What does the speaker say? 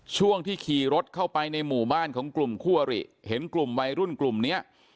ช่วงที่ขี่รถเข้าไปในหมู่บ้านของกลุ่มคู่อริเห็นกลุ่มวัยรุ่นกลุ่มเนี้ย